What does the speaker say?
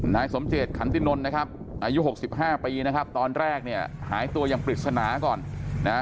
นายสมเจตขันตินนท์นะครับอายุหกสิบห้าปีนะครับตอนแรกเนี่ยหายตัวอย่างปริศนาก่อนนะ